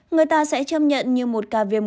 người ta sẽ châm nhận như một ca viêm